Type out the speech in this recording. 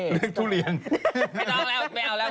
เรื่องทุเรียน